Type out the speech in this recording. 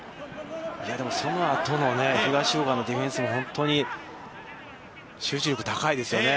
そのあとの東福岡のディフェンスも本当に集中力が高いですよね。